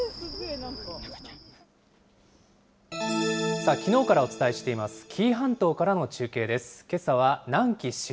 さあ、きのうからお伝えしています、紀伊半島からの中継です。